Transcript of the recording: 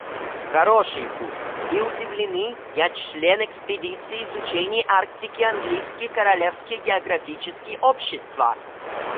Хорош якут. Ви удивлены? Я чшлен экспедиции изучений Арктики Английски королевски географически общества.